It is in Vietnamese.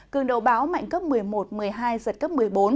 cường độ báo mạnh cấp một mươi một một mươi hai giật cấp một mươi bốn